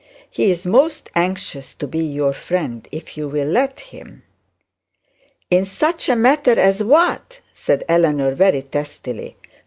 He is most anxious to be your friend if you will let him.' 'In such a matter as what?' said Eleanor very testily.